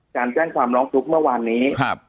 แจ้งความร้องทุกข์เมื่อวานนี้